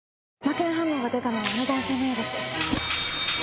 麻犬反応が出たのはあの男性のようです。